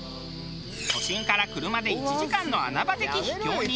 都心から車で１時間の穴場的秘境に。